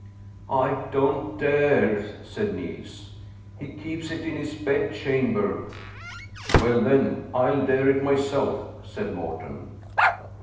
" I don't dare," said Niels, " he keeps it in his bed cham ber." " Well, then, I'll dare it myself," said Morten.